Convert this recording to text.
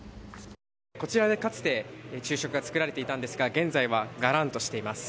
こちらで、かつて昼食が作られていたんですが現在は、がらんとしています。